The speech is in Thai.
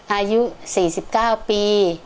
อายุ๔๙ปี